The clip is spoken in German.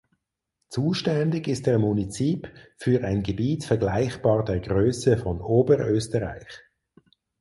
Zuständig ist der Munizip für ein Gebiet vergleichbar der Größe von Oberösterreich.